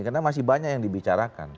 karena masih banyak yang dibicarakan